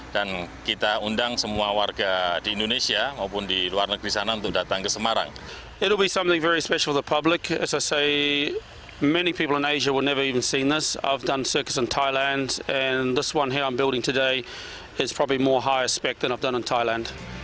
dan kita undang semua warga di indonesia maupun di luar negeri sana untuk datang ke semarang